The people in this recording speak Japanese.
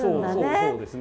そうですね。